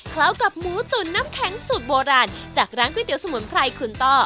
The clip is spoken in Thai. เข้ากับหมูตุ๋นน้ำแข็งสูตรโบราณจากร้านก๋วยเตี๋สมุนไพรคุณต้อ